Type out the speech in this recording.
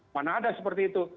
mana ada seperti itu